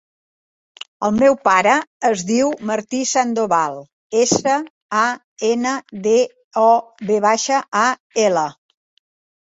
El meu pare es diu Martí Sandoval: essa, a, ena, de, o, ve baixa, a, ela.